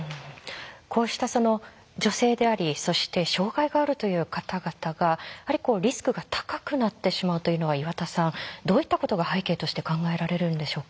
こうした女性でありそして障害があるという方々がリスクが高くなってしまうというのは岩田さんどういったことが背景として考えられるんでしょうか？